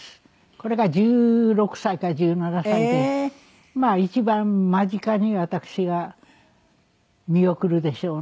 これが１６歳か１７歳で一番間近に私が見送るでしょうね。